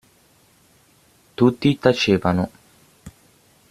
Tutti tacevano.